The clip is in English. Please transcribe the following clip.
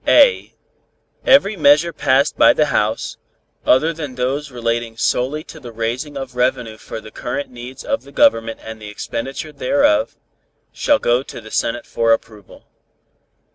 (a) Every measure passed by the House, other than those relating solely to the raising of revenue for the current needs of the Government and the expenditure thereof, shall go to the Senate for approval.